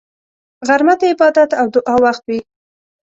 غرمه د عبادت او دعا وخت وي